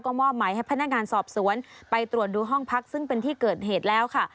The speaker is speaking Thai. มอบหมายให้พนักงานสอบสวนไปตรวจดูห้องพักซึ่งเป็นที่เกิดเหตุแล้วค่ะ